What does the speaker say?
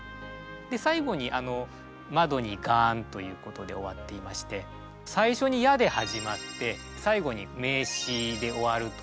で最後に「窓にガーン」ということで終わっていまして最初に「や」で始まって最後に名詞で終わるという。